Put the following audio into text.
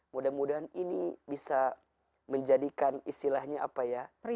mudah mudahan ini bisa menjadikan istilahnya apa ya